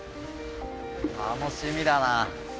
楽しみだな。